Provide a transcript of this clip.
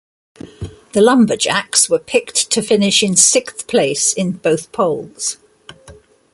The Lumberjacks were picked to finish in sixth place in both polls.